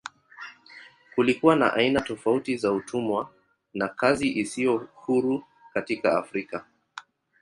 Kulikuwa na aina tofauti za utumwa na kazi isiyo huru katika Afrika.